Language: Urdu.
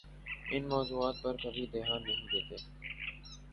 ان موضوعات پر کبھی دھیان نہیں دیتے؟